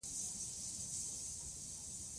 لیکوال پر همدې ټینګار کوي.